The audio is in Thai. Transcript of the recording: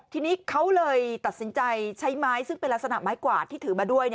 ทีนี้เขาเลยตัดสินใจใช้ไม้ซึ่งเป็นลักษณะไม้กวาดที่ถือมาด้วย